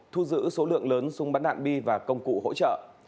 thu giữ số lượng lớn súng bắn đạn bi và công cụ hỗ trợ